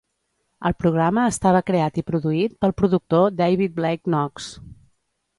El programa estava creat i produït pel productor David Blake Knox.